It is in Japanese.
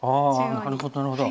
なるほどなるほど。